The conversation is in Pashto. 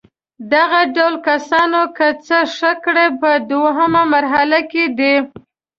دغه ډول کسانو که څه ښه کړي په دوهمه مرحله کې دي.